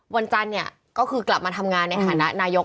วันจันทร์เนี่ยก็คือกลับมาทำงานในฐานะนายก